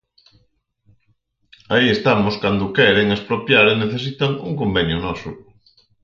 Aí estamos cando queren expropiar e necesitan un convenio noso.